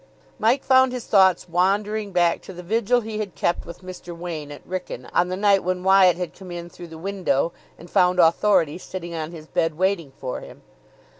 Mike found his thoughts wandering back to the vigil he had kept with Mr. Wain at Wrykyn on the night when Wyatt had come in through the window and found authority sitting on his bed, waiting for him.